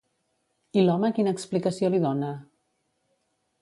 I l'home quina explicació li dona?